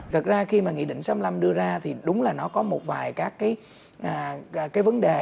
thật ra khi mà nghị định sáu mươi năm đưa ra thì đúng là nó có một vài các cái vấn đề